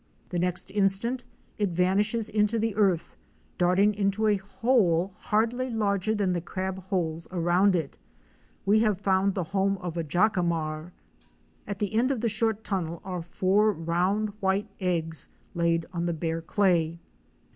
The next instant it vanishes into the earth, darting into a hole hardly larger than the crab holes around it. We have found the home of a Jacamar. At the end of the short tunnel are four round white eggs laid on the bare clay.